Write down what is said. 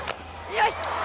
よし！